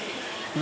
「何？